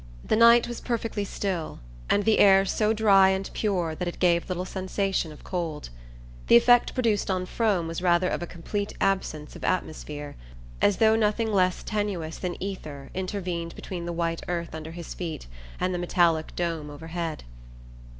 The night was perfectly still, and the air so dry and pure that it gave little sensation of cold. The effect produced on Frome was rather of a complete absence of atmosphere, as though nothing less tenuous than ether intervened between the white earth under his feet and the metallic dome overhead.